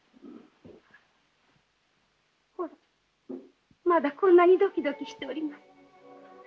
ほらまだこんなにドキドキしております。